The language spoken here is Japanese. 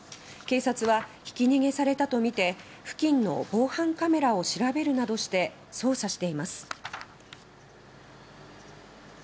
警察はひき逃げされたとみて付近の防犯カメラを調べるなどして捜査しています。